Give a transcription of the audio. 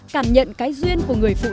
cảm nhận cái duyên của người phụ nữ